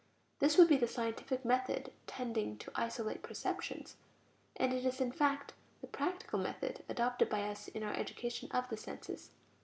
This would be the scientific method tending to isolate perceptions; and it is in fact the practical method adopted by us in our education of the senses.